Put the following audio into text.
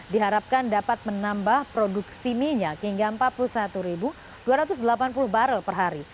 diharapkan dapat menambah produksi minyak hingga empat puluh satu dua ratus delapan puluh barrel per hari